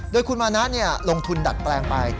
โดยคุณมานะลงทุนดัดแปลงไป